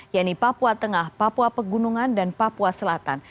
yaitu papua tengah papua pegunungan dan papua selatan